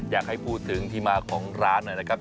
อยากให้พูดถึงที่มาของร้านหน่อยนะครับ